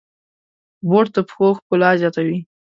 بوټ د پښو ښکلا زیاتوي.